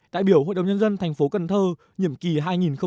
đại biểu hội đồng nhân dân thành phố cần thơ nhiệm kỳ hai nghìn bốn hai nghìn chín